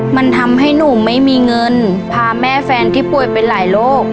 มันทำให้หนูไม่มีเงินพาแม่แฟนที่ป่วยไปหลายโรค